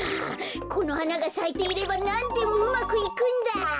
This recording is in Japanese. この花がさいていればなんでもうまくいくんだ！